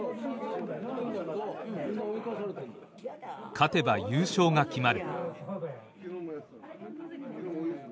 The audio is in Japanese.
勝てば優勝が決まる。